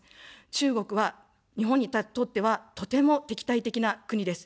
中国は、日本にとってはとても敵対的な国です。